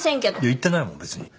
言ってないもん別に。